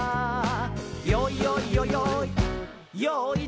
「よいよいよよい